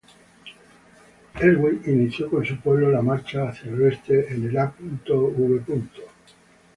Elwë inició con su pueblo la marcha hacia el oeste en el a. v.